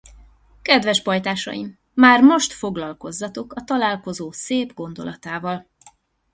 Kedves pajtásaim, már most foglalkozzatok a találkozó szép gondolatával.